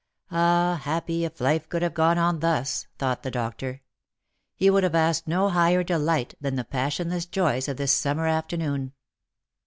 Ah, happy, if life could have gone on thus, thought the doctor. He would have asked no higher delight than the passionless joys of this summer afternoon.